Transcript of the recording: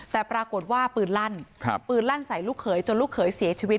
แต่ปรากฏว่าปืนลั่นปืนลั่นใส่ลูกเขยจนลูกเขยเสียชีวิต